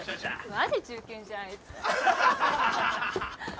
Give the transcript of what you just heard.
マジ忠犬じゃんあいつ。